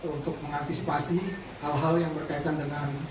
untuk mengantisipasi hal hal yang berkaitan dengan